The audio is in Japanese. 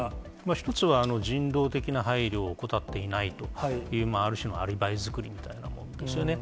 一つは人道的な配慮を怠っていないと、ある種のアリバイ作りみたいなものですよね。